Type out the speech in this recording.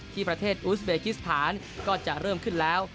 ที่ประเทศอุสเบกิสถานก็จะเริ่มขึ้นแล้ว